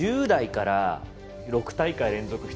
１０代から６大会連続